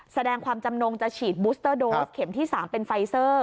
แสดงความจำนงจะฉีดบูสเตอร์โดสเข็มที่๓เป็นไฟเซอร์